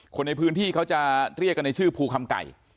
คนในพื้นที่เขาจะเรียกกันในชื่อภูคำไก่